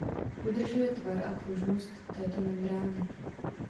Udržuje tvar a pružnost této membrány.